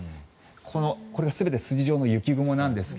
これが全て筋状の雪雲なんですが。